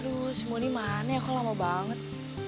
aduh semua ini mana ya kok lama banget